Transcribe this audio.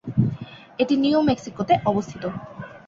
এটি নিউ মেক্সিকোতে অবস্থিত।